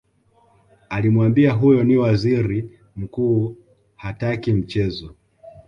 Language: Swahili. alimwambia huyo ni waziri mkuu hataki mchezo